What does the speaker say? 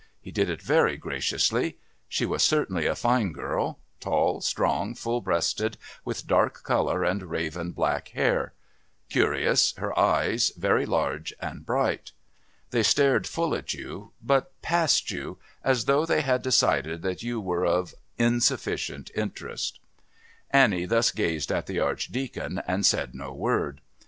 He did it very graciously. She was certainly a fine girl tall, strong, full breasted, with dark colour and raven black hair; curious, her eyes, very large and bright. They stared full at you, but past you, as though they had decided that you were of insufficient interest. Annie thus gazed at the Archdeacon and said no word.